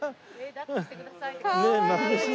抱っこしてください。